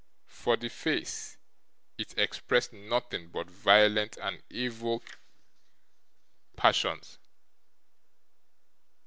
For the face, it expressed nothing but violent and evil passions.